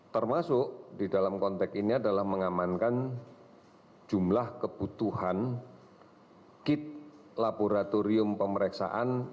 termasuk di dalam konteks ini adalah mengamankan jumlah kebutuhan kit laboratorium pemeriksaan